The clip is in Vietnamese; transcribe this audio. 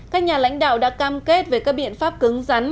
các nhà lãnh đạo đã cam kết về các biện pháp cứng rắn